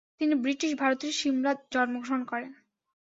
তিনি ব্রিটিশ ভারতের শিমলা জন্মগ্রহণ করেন।